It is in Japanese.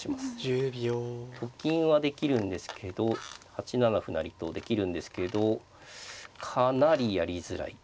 １０秒。と金はできるんですけど８七歩成とできるんですけどかなりやりづらい。